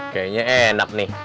kayaknya enak nih